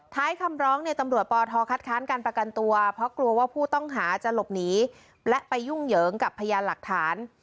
ท้ายคำร้องเนี่ยตำรวจปทคัดค้านการประกันตัวเพราะกลัวว่าผู้ต้องหาจะหลบหนีและไปยุ่งเหยิงกับพยานหลักฐาน